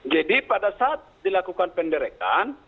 jadi pada saat dilakukan penderakan